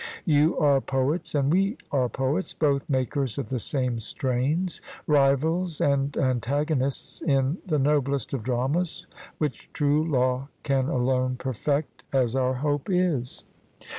You are poets and we are poets, both makers of the same strains, rivals and antagonists in the noblest of dramas, which true law can alone perfect, as our hope is.